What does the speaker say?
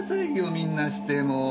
みんなしてもう。